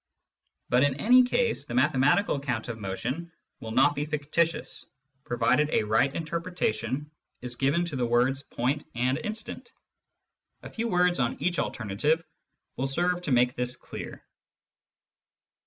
But in any case the mathematical account of motion will not be fictitious, provided a right interpretation is given to the words " point " and " instant." A few words on each alternative will serve to make this clear.